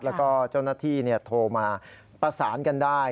แล้วก็เจ้าหน้าที่โทรมาประสานกันได้